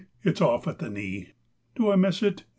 It's off at the knee. Do I miss it?